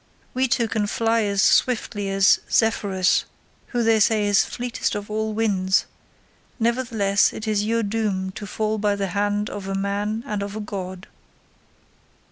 We two can fly as swiftly as Zephyrus who they say is fleetest of all winds; nevertheless it is your doom to fall by the hand of a man and of a god."